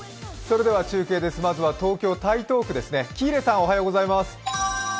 中継です、まずは東京・台東区ですね。